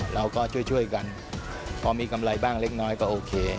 เราก็ช่วยช่วยกันพอมีกำไรบ้างเล็กน้อยก็โอเค